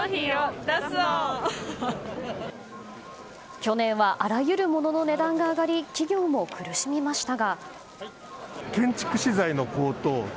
去年はあらゆるものの値段が上がり企業も苦しみましたが。